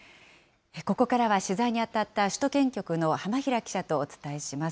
ここからは、取材に当たった首都圏局の浜平記者とお伝えします。